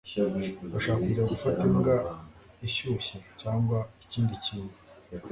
Urashaka kujya gufata imbwa ishyushye cyangwa ikindi kintu?